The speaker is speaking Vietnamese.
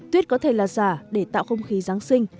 tuyết có thể là giả để tạo không khí giáng sinh